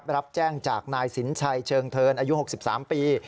รับแจ้งจากนายสินชัยเชิงเทิร์นอายุ๖๓ปี